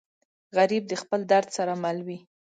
غریب د خپل درد سره مل وي